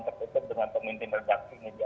terkutuk dengan pemimpin rejaksinya